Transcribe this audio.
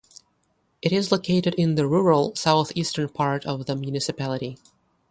It is located in the rural southeastern part of the municipality.